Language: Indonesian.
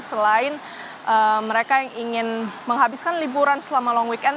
selain mereka yang ingin menghabiskan liburan selama long weekend